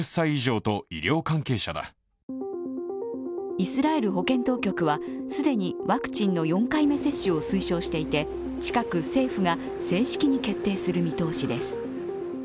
イスラエル保健当局は既にワクチンの４回目接種を推奨していて近く政府が正式に決定する見通しです。